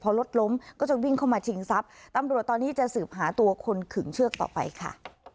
พอรถล้มก็จะวิ่งเข้ามาชิงทรัพย์ตำรวจตอนนี้จะสืบหาตัวคนขึงเชือกต่อไปค่ะ